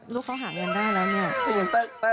ลูกเขาหาเงินได้แล้วเนี่ย